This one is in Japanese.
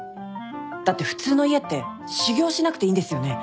だって普通の家って修行しなくていいんですよね？